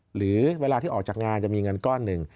หรือเวลาที่ออกจากงานจะมีเงินก้อนหนึ่ง